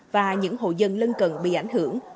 và những hộ dân lân cần bị ảnh hưởng